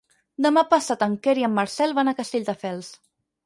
Demà passat en Quer i en Marcel van a Castelldefels.